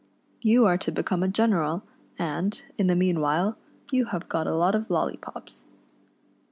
You arc to become a general, and, in the mean while, you have got a lot of loll} pops."